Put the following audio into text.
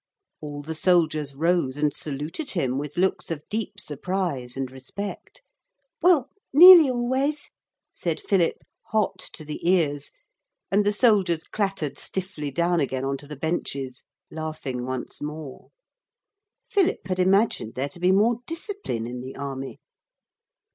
All the soldiers rose and saluted him with looks of deep surprise and respect. 'Well, nearly always,' said Philip, hot to the ears, and the soldiers clattered stiffly down again on to the benches, laughing once more. Philip had imagined there to be more discipline in the army.